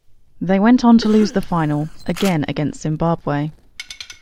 They went on to lose the final, again against Zimbabwe.